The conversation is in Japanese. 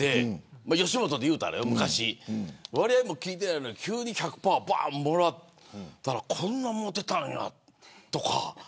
昔の吉本でいったらよ割合も聞いてないのに急に１００％もらったらこんなにもらってたんやとか。